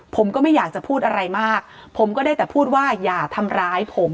ผมก็ไม่อยากจะพูดอะไรมากผมก็ได้แต่พูดว่าอย่าทำร้ายผม